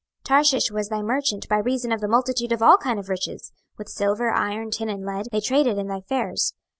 26:027:012 Tarshish was thy merchant by reason of the multitude of all kind of riches; with silver, iron, tin, and lead, they traded in thy fairs.